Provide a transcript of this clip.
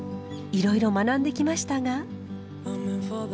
いろいろ学んできましたが。